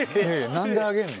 何であげんの？